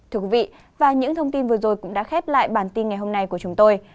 thưa quý vị và những thông tin vừa rồi cũng đã khép lại bản tin ngày hôm nay của chúng tôi